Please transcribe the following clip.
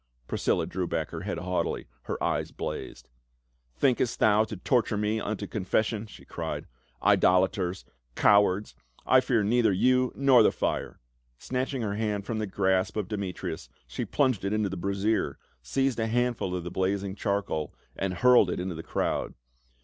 Priscilla threw back her head haughtily, her eyes blazed. " Thinkest thou to torture me unto confes sion," she cried. " Idolaters — cowards ! I fear neither you nor the fire !" Snatching her hand from the grasp of Demetrius she plunged it into the brazier, seized a handful of the blazing charcoal and hurled it into the crowd.